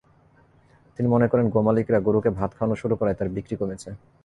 তিনি মনে করেন গো-মালিকেরা গরুকে ভাত খাওয়ানো শুরু করায় তাঁর বিক্রি কমেছে।